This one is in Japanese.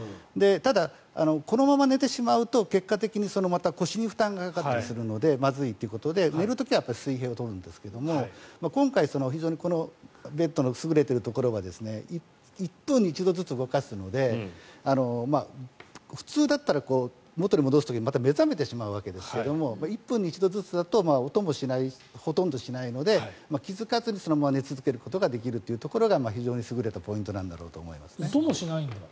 ただ、このまま寝てしまうと結果的に腰に負担がかかったりするのでまずいということで寝る時は水平を取るんですが今回、非常にこのベッドの優れているところは１分に１度ずつ動かすので普通だったら元に戻す時にまた目覚めてしまうわけですが１分に１度ずつだと音もほとんどしないので気付かずにそのまま寝続けることができるというところが非常に優れたポイントなんだろうと思います。